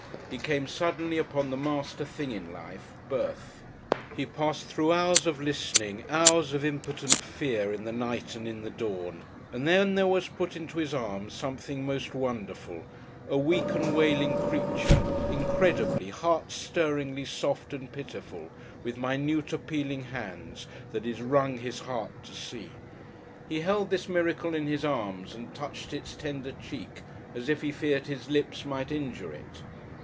He came suddenly upon the master thing in life, birth. He passed through hours of listening, hours of impotent fear in the night and in the dawn, and then there was put into his arms something most wonderful, a weak and wailing creature, incredibly, heart stirringly soft and pitiful, with minute appealing hands that it wrung his heart to see. He held this miracle in his arms and touched its tender cheek as if he feared his lips might injure it.